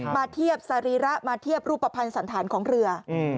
มาเทียบสรีระมาเทียบรูปภัณฑ์สันธารของเรือ